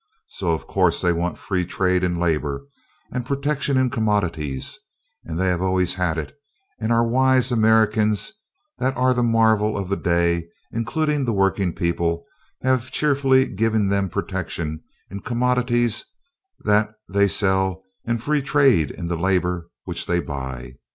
So of course they want free trade in labor, and protection in commodities; and they have always had it, and our wise Americans that are the marvel of the day, including the working people, have cheerfully given them protection in the commodities that they sell and free trade in the labor which they buy.